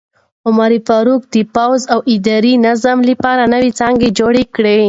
عمر فاروق د پوځي او اداري نظام لپاره نوې څانګې جوړې کړې.